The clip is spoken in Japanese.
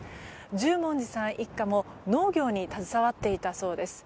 十文字さん一家も農業に携わっていたそうです。